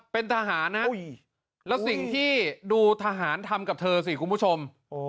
เป็นทหารนะแล้วสิ่งที่ดูทหารทำกับเธอสิคุณผู้ชม